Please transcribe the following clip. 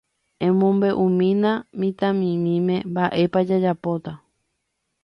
Emombe'umína mitãmimíme mba'épa jajapóta.